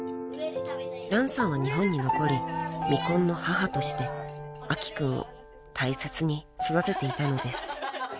［ランさんは日本に残り未婚の母として明希君を大切に育てていたのです］